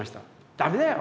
「ダメだよ